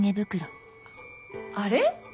あれ？